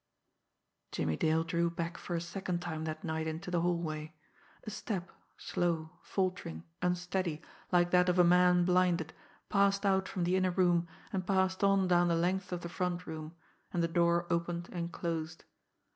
Jimmie Dale drew back for a second time that night into the hallway. A step, slow, faltering, unsteady, like that of a man blinded, passed out from the inner room, and passed on down the length of the front room and the door opened and closed.